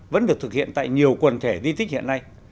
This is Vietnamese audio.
vẫn được thực hiện tại nhiều quần thể di tích hiện nay